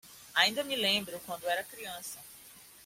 Ainda me lembro quando era criança.